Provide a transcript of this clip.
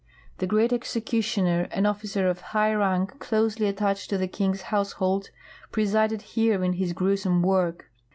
The Great Executioner, an officer of high rank closely attached to the king's household, presided here in his gruesome work.